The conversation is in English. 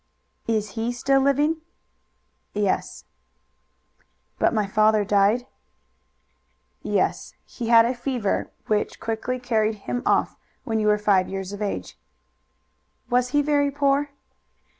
"Is he still living?" "Yes." "But my father died?" "Yes; he had a fever which quickly carried him off when you were five years of age." "Was he very poor?"